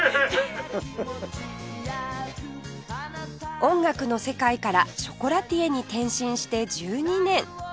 音楽の世界からショコラティエに転身して１２年